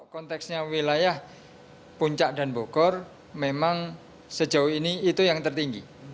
konteksnya wilayah puncak dan bogor memang sejauh ini itu yang tertinggi